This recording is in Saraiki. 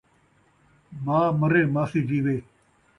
ماء مرے ، ماسی جیوے